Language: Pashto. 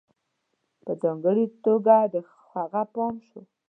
په ځانگړي توگه د هغه پام شو